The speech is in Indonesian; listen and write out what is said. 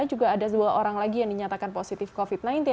juga ada dua orang lagi yang dinyatakan positif covid sembilan belas